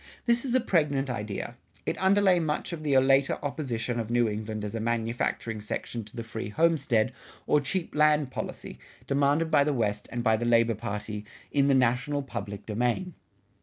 This is a pregnant idea; it underlay much of the later opposition of New England as a manufacturing section to the free homestead or cheap land policy, demanded by the West and by the labor party, in the national public domain.